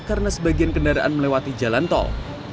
karena sebagian kendaraan melewati jalan tol